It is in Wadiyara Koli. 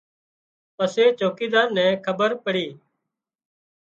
پسي چوڪيڌار نين کٻير پڙي